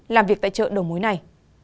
làm việc tại chợ đồng mối này